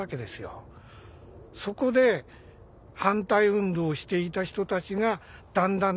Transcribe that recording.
そこで反対運動をしていた人たちがだんだんだんだん別れていく。